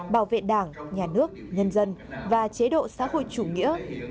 bảo vệ đảng nhà nước nhân dân và chế độ xã hội chủ nghĩa